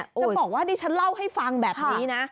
จะบอกว่าดิฉันเล่าให้ฟังแบบนี้นะ